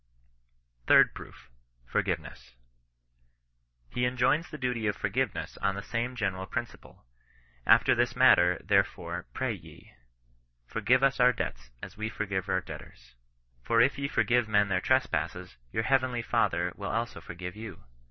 THIRD PROOF. — FORGIVENESS. He enjoins the duty of forgiveness on the same gene ral principle. After this manner, therefore, pray ye." " Forgive us our debts, as we forgive our debt ors." '* For if ye forgive men their trespasses, your heavenly Father will also forgive you.